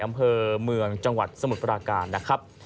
อำเภอเมืองจังหวัดสมุทรปราการนะครับ